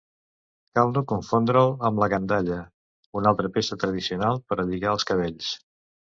Cal no confondre'l amb la gandalla, una altra peça tradicional per a lligar els cabells.